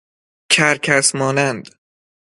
کرکس مانند